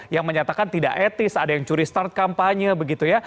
yang menyatakan tidak etis ada yang curi start kampanye begitu ya